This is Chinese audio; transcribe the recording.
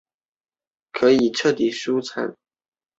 并在精武体育会厦门分会与英华中学教武术。